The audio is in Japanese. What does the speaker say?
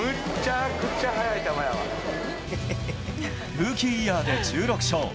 ルーキーイヤーで１６勝。